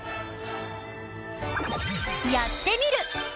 「やってみる。」。